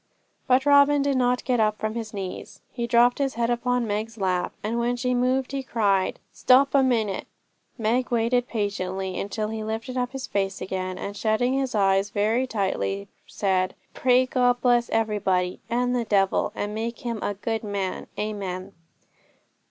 But Robin did not get up from his knees. He dropped his head upon Meg's lap, and when she moved he cried, 'Stop a minute!' Meg waited patiently until he lifted up his face again, and shutting his eyes very tightly, said, 'Pray God, bless everybody, and the devil, and make him a good man. Amen.'